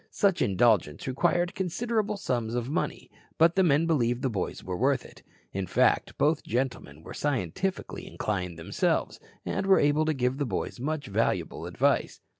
Such indulgence required considerable sums of money, but the men believed the boys were worth it. In fact, both gentlemen were scientifically inclined themselves, and were able to give the boys much valuable advice.